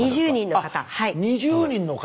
２０人の方。